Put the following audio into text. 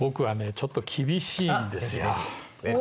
ちょっと厳しいんですよ。